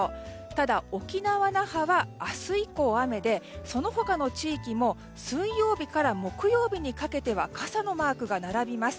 ただ沖縄・那覇は明日以降、雨でその他の地域も水曜日から木曜日にかけては傘のマークが並びます。